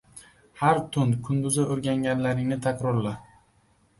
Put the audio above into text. Har tun kunduzi oʻrganganlaringni takrorla.